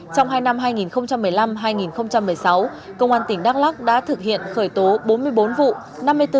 trong hai năm hai nghìn một mươi năm hai nghìn một mươi sáu công an tỉnh đắk lắc đã thực hiện khởi tố bốn mươi bốn vụ